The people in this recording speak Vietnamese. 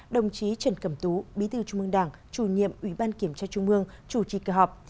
đồng chí trần cẩm tú bí tư trung mương đảng chủ nhiệm ubnd chủ trì cơ họp